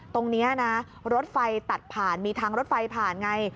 ตรงนี้นะรถไฟตัดผ่านมีทางรถไฟผ่านไง